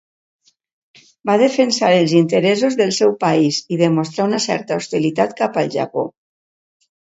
Va defensar els interessos del seu país, i demostrà una certa hostilitat cap al Japó.